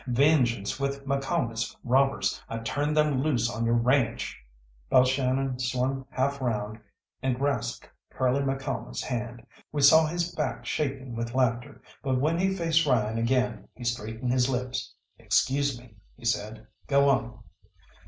Vengeance with McCalmont's robbers I turned them loose on your ranche!" Balshannon swung half round and grasped Curly McCalmont's hand. We saw his back shaking with laughter, but when he faced Ryan again he straightened his lips. "Excuse me," he said, "go on."